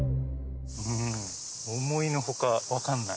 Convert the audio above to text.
うん思いの外分かんない。